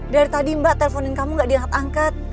dari tadi mbak teleponin kamu gak diangkat angkat